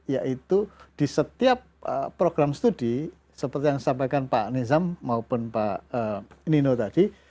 yaitu di setiap program studi seperti yang disampaikan pak nizam maupun pak nino tadi